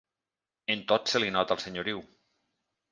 En tot se li nota el senyoriu.